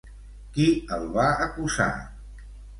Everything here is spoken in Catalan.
Qui el va acusar?